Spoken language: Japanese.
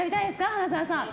花澤さん。